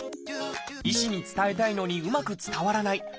医師に伝えたいのにうまく伝わらない。